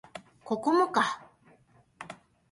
ここもか